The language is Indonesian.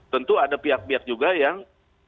tentu ada pihak pihak juga yang